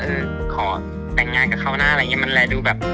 ขอแต่งงานกับเขานะอะไรอย่างเงี้มันแหละดูแบบ